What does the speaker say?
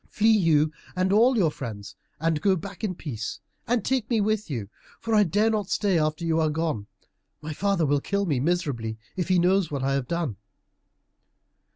Flee, you and all your friends, and go back in peace, and take me with you. For I dare not stay after you are gone. My father will kill me miserably, if he knows what I have done."